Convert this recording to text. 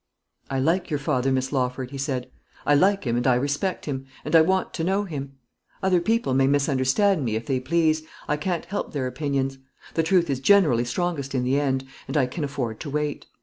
"I like your father, Miss Lawford," he said; "I like him, and I respect him; and I want to know him. Other people may misunderstand me, if they please. I can't help their opinions. The truth is generally strongest in the end; and I can afford to wait.